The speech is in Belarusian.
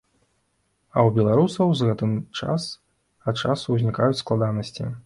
А ў беларусаў з гэтым час ад часу ўзнікаюць складанасці.